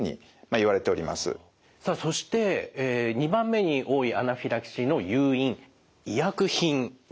２番目に多いアナフィラキシーの誘因医薬品ですね。